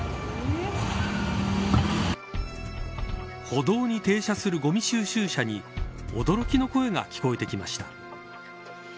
歩道に停車するごみ収集車に驚きの声が聞こえてきました。